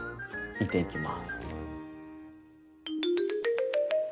煮ていきます。